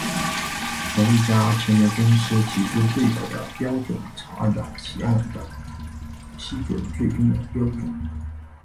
从一家成员公司提出最初的标准草案的提案到批准最终的标准。